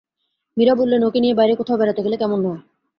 মীরা বললেন, ওকে নিয়ে বাইরে কোথাও বেড়াতে গেলে কেমন হয়?